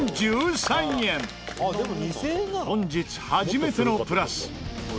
本日初めてのプラス。